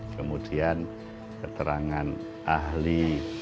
kemudian keterangan ahli